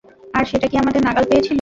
আর, সেটা কি আমাদের নাগাল পেয়েছিল?